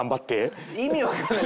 意味わからない。